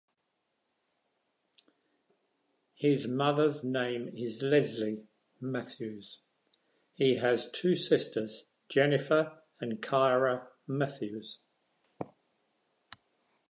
His mother's name is Leslie Matthews, he has two sisters, Jennifer and Ciara Matthews.